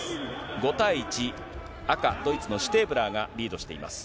５対１、赤、ドイツのシュテーブラーがリードしています。